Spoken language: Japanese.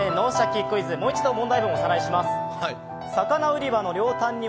もう一度問題文をおさらいします。